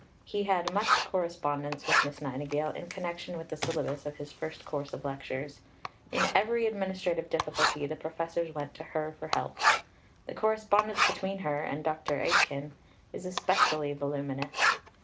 He had much correspondence with Miss Nightingale in connection with the syllabus of his first course of lectures. In every administrative difficulty the professors went to her for help. The correspondence between her and Dr. Aitken is especially voluminous.